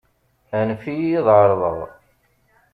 Anef-iyi ad ɛerḍeɣ.